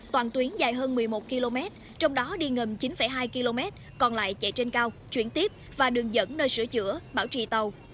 toàn tuyến dài hơn một mươi một km trong đó đi ngầm chín hai km còn lại chạy trên cao chuyển tiếp và đường dẫn nơi sửa chữa bảo trì tàu